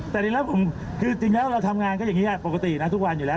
แต่จริงแล้วเราทำงานก็อย่างนี้ปกตินะทุกวันอยู่แล้ว